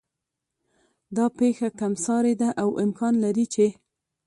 دا پېښه کم سارې ده او امکان لري چې